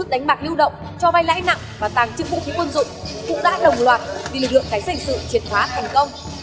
đánh bạc lưu động cho bay lãi nặng và tàng trực vũ khí quân dụng cũng đã đồng loạt vì lực lượng cảnh sát hình sự triệt hóa thành công